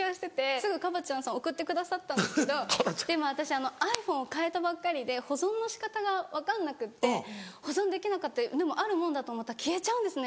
すぐＫＡＢＡ．ちゃんさん送ってくださったんですけどでも私ｉＰｈｏｎｅを替えたばっかりで保存の仕方が分かんなくって保存できなかったでもあるもんだと思ったら消えちゃうんですね